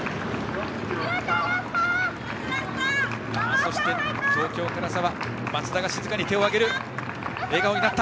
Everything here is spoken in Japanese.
そして東京の唐沢松田が静かに手を上げた。